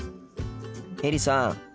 エリさん